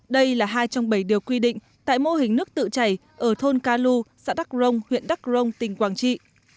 đây là hai trong bảy điều quy định tại mô hình nước tự chảy ở thôn ca lu xã đắc rông huyện đắc rông tỉnh quảng trị